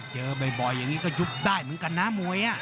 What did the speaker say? เจอบ่อยอย่างนี้ก็ยุบได้เหมือนกันนะมวย